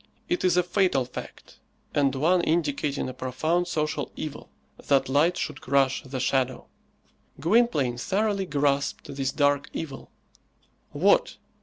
It is a fatal fact, and one indicating a profound social evil, that light should crush the shadow! Gwynplaine thoroughly grasped this dark evil. What!